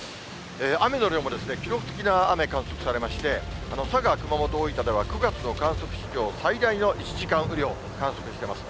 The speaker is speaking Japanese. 雨の量も記録的な雨、観測されまして、佐賀、熊本、大分では９月の観測史上最大の１時間雨量、観測してます。